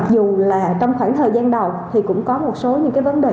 dù là trong khoảng thời gian đầu thì cũng có một số những cái vấn đề